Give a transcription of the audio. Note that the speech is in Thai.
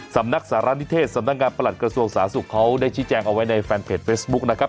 สำนักสารณิเทศสำนักงานประหลัดกระทรวงสาธารณสุขเขาได้ชี้แจงเอาไว้ในแฟนเพจเฟซบุ๊คนะครับ